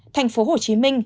thành phố hồ chí minh